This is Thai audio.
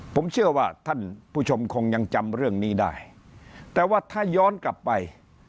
ผมเชื่อว่าท่านผู้ชมคงยังจำเรื่องนี้ได้แต่ว่าถ้าย้อนกลับไป